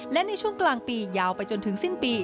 และในช่วงกลางปียาวไปจนถึงสิ้นปี